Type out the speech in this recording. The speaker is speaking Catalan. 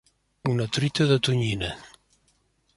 Una truita de tonyina.